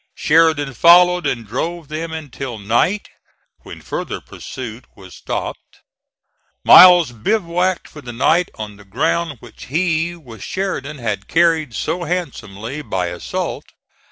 Sheridan followed, and drove them until night, when further pursuit was stopped. Miles bivouacked for the night on the ground which he with Sheridan had carried so handsomely by assault.